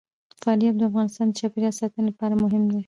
فاریاب د افغانستان د چاپیریال ساتنې لپاره مهم دي.